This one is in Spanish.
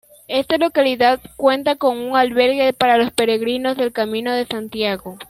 Esta localidad cuenta con un albergue para los peregrinos del Camino de Santiago.